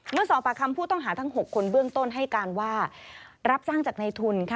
เมื่อสอบปากคำผู้ต้องหาทั้ง๖คนเบื้องต้นให้การว่ารับจ้างจากในทุนค่ะ